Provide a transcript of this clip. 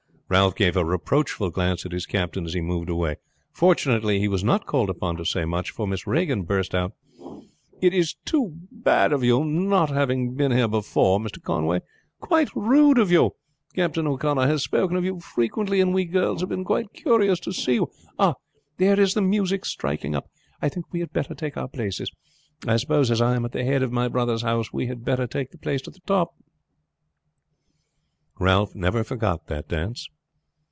Ralph gave a reproachful glance at his captain as he moved away. Fortunately, he was not called upon to say much, for Miss Regan burst out: "It is too bad of you not having been here before, Mr. Conway quite rude of you. Captain O'Connor has spoken of you frequently, and we girls have been quite curious to see you. There is the music striking up. I think we had better take our places. I suppose as I am at the head of my brother's house we had better take the place at the top." Ralph never forgot that dance.